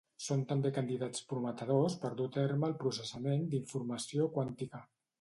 Són també candidats prometedors per dur a terme el processament d'informació quàntica.